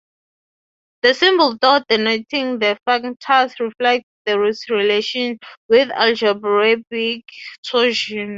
The symbol Tor denoting the functors reflects this relation with the algebraic torsion.